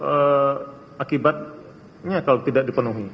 eee akibatnya kalau tidak dipenuhi